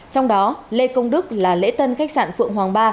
trong đó lê công đức là lễ tân khách sạn phượng hoàng ba